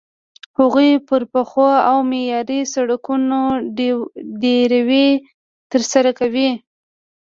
هغوی پر پخو او معیاري سړکونو ډریوري ترسره کوي.